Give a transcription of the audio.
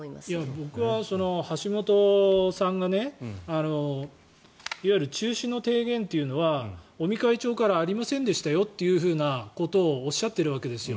僕は橋本さんがいわゆる中止の提言というのは尾身会長からありませんでしたよということをおっしゃっているわけですよ。